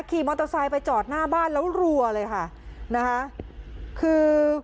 ขี่มอเตอร์ไซค์ไปจอดหน้าบ้านแล้วรัวเลยค่ะนะคะคือ